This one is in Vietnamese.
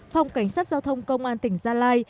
phòng cảnh sát giao thông công an tỉnh gia lai